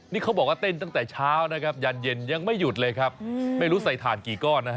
นี่เขาบอกว่าเต้นตั้งแต่เช้านะครับยานเย็นยังไม่หยุดเลยครับไม่รู้ใส่ถ่านกี่ก้อนนะฮะ